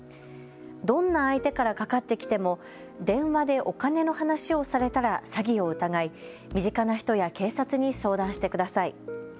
どんな相手からかかってきても電話でお金の話をされたら詐欺を疑い身近な人や警察に相談してください。